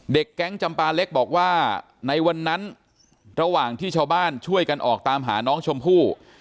แก๊งจำปาเล็กบอกว่าในวันนั้นระหว่างที่ชาวบ้านช่วยกันออกตามหาน้องชมพู่